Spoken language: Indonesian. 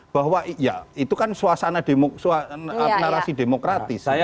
bahwa ya itu kan suasana narasi demokratis